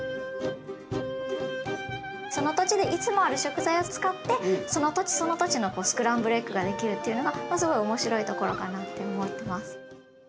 その土地でいつもある食材を使ってその土地その土地のスクランブルエッグができるっていうのがまあすごい面白いところかなって思ってます。